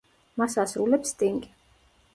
მას ასრულებს სტინგი.